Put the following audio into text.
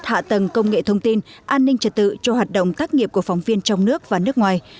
hạ tầng công nghệ thông tin an ninh trật tự cho hoạt động tác nghiệp của phóng viên trong nước và nước ngoài